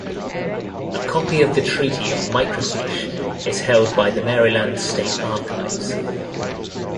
A copy of the treaty on microfiche is held by the Maryland State Archives.